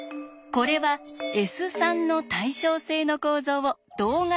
これは「Ｓ」の対称性の構造を動画で表したものです。